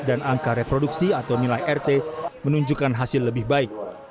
dan angka reproduksi atau nilai rt menunjukkan hasil lebih baik